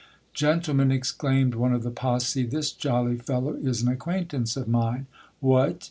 Gentlemen, exclaimed one of the posse, this jolly fellow is an acquaintance of mine. What